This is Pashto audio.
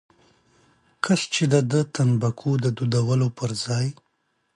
کاش چې دده تنباکو د دودولو پر ځای.